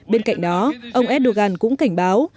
bên cạnh đó ông erdogan cũng cảnh báo